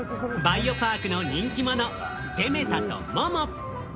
バイオパークの人気者、デメタンとモモ。